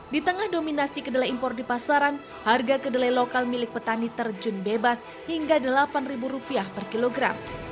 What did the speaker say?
di tengah dominasi kedelai impor di pasaran harga kedelai lokal milik petani terjun bebas hingga rp delapan per kilogram